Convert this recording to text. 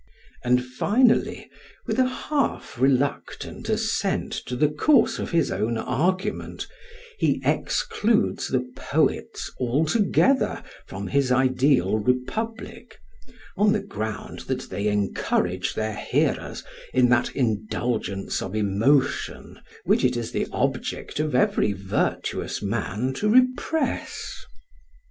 And finally, with a half reluctant assent to the course of his own argument, he excludes the poets altogether from his ideal republic, on the ground that they encourage their hearers in that indulgence of emotion which it is the object of every virtuous man to repress.